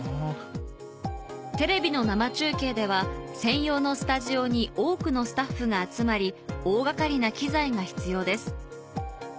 テレビの生中継では専用のスタジオに多くのスタッフが集まり大掛かりな機材が必要です